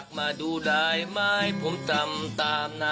ครับ